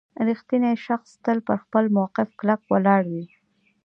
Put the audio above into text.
• رښتینی شخص تل پر خپل موقف کلک ولاړ وي.